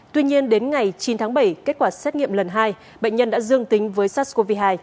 tuy nhiên đến ngày chín tháng bảy kết quả xét nghiệm lần hai bệnh nhân đã dương tính với sars cov hai